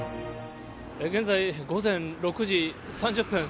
現在、午前６時３０分。